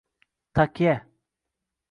— Takya!